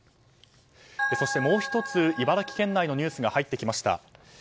そしてもう１つ、茨城県内のニュースが入ってきました。